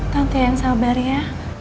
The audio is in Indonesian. tante yang sabar ya